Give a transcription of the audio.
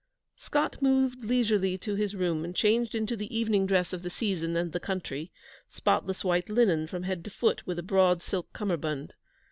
Scott moved leisurely to his room, and changed into the evening dress of the season and the country: spotless white linen from head to foot, with a broad silk cummerbund.